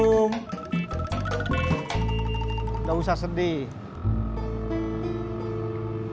udah usah sedih